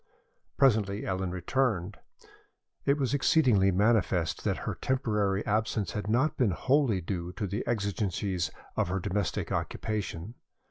Presently Ellen returned. It was exceedingly manifest that her temporary absence had not been wholly due to the exigencies of her domestic occupation.